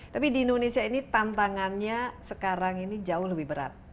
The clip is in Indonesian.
tapi di indonesia ini tantangannya sekarang ini jauh lebih berat